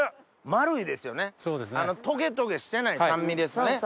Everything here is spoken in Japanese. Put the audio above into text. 丸いですよねトゲトゲしてない酸味ですね。